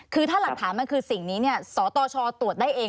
คือถ้าหลักฐานมันคือสิ่งนี้สตชตรวจได้เอง